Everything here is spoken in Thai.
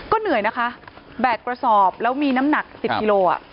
เหนื่อยนะคะแบกกระสอบแล้วมีน้ำหนัก๑๐กิโล